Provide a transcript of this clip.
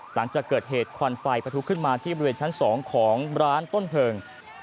หลังจากเกิดเหตุควันไฟประทุขึ้นมาที่บริเวณชั้น๒ของร้านต้นเพลิง